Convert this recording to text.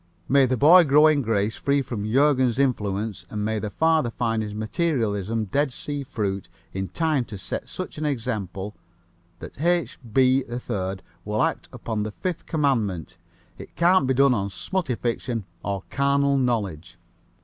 May the boy grow in grace free from Jurgen's influence and may the father find his materialism Dead Sea fruit in time to set such an example that H. B. 3rd will act upon the Fifth Commandment. It can't be done on smutty fiction or carnal knowledge."